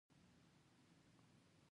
زما ګرانې لورې له دې خبرې څخه واوړه.